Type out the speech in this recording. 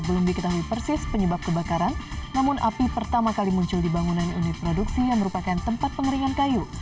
belum diketahui persis penyebab kebakaran namun api pertama kali muncul di bangunan unit produksi yang merupakan tempat pengeringan kayu